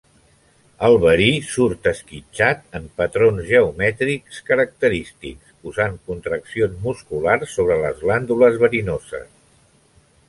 El verí surt esquitxat en patrons geomètrics característics, usant contraccions musculars sobre les glàndules verinoses.